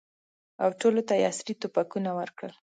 او ټولو ته یې عصري توپکونه ورکړل.